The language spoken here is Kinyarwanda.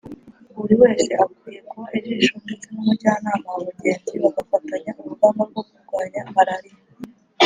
Buri wese akwiye kuba ijisho ndetse n’umujyana wa mugenzi bagafatanya urugamba rwo kurwanya malariya